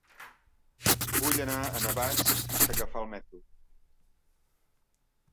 Vull anar a Navàs sense agafar el metro.